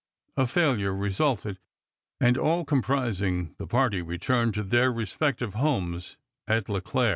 A failure resulted, and all comprising the party returned to their respective homes at La Clair.